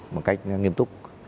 một cách nghiêm túc